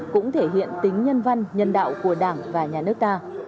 cũng thể hiện tính nhân văn nhân đạo của đảng và nhà nước ta